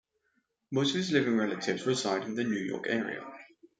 Most of his living relatives reside in the New York area.